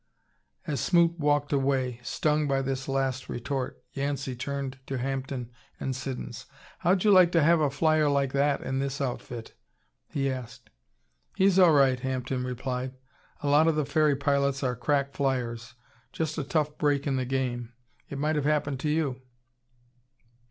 As Smoot walked away, stung by this last retort, Yancey turned to Hampden and Siddons. "How'd you like to have a flyer like that in this outfit?" he asked. "He's all right," Hampden replied. "A lot of the ferry pilots are crack flyers just a tough break in the game. It might have happened to you."